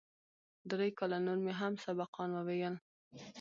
درې کاله نور مې هم سبقان وويل.